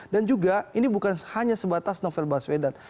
dan juga ini bukan hanya sebatas novel baswedan